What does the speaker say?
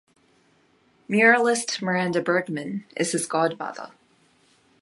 Muralist Miranda Bergman is his godmother.